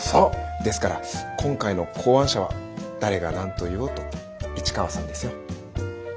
ですから今回の考案者は誰が何と言おうと市川さんですよ。